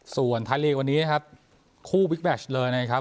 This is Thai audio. ส่วนไทยลีกวันนี้นะครับคู่บิ๊กแมชเลยนะครับ